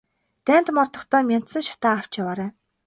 Дайнд мордохдоо мяндсан шатаа авч яваарай.